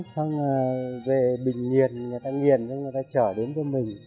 xong rồi về bình nhiệt người ta nghiền người ta trở đến với mình